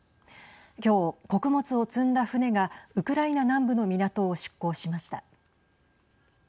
今日、穀物を積んだ船がウクライナ南部の港を出港しました。